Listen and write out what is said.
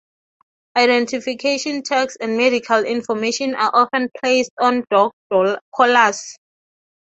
Identification tags and medical information are often placed on dog collars.